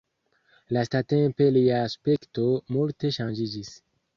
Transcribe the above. Lastatempe lia aspekto multe ŝanĝiĝis.